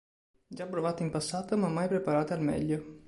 Già provate in passato, ma mai preparate al meglio.